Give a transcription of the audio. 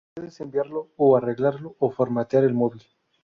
Puedes enviarlo a arreglarlo o formatear el móvil